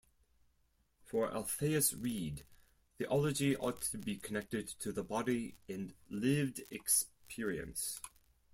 For Althaus-Reid, theology ought to be connected to the body and lived experience.